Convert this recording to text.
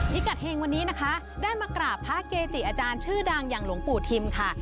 พิกัดเฮงวันนี้นะคะได้มากราบพระเกจิอาจารย์ชื่อดังอย่างหลวงปู่ทิมค่ะ